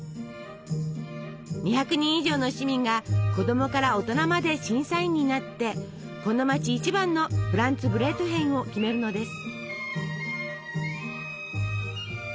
２００人以上の市民が子供から大人まで審査員になってこの街一番のフランツブレートヒェンを決めるのです。